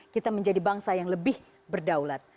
kita menjadi bangsa yang lebih berdaulat